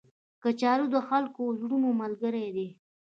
کچالو د خلکو د زړونو ملګری دی